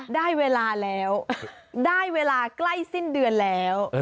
ได้เวลาแล้วได้เวลาใกล้สิ้นเดือนแล้ว